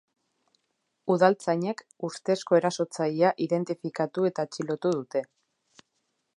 Udaltzainek ustezko erasotzailea identifikatu eta atxilotu dute.